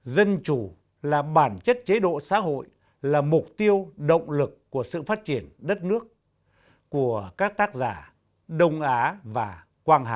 dân chủ là bản chất chế độ xã hội là mục tiêu động lực của sự phát triển đất nước của các tác giả đông á và quang hà